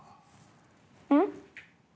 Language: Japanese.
うん？